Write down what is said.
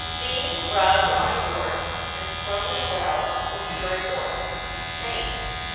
Beans rubbed on a wart and thrown in the well will cure a wart. _Maine.